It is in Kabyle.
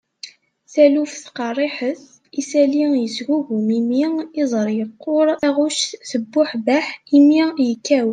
taluft qerriḥet, isalli yesgugum imi, iẓri yeqquṛ, taɣect tebbuḥbeḥ, imi yekkaw